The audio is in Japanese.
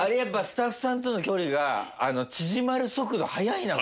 スタッフさんとの距離が縮まる速度速いの。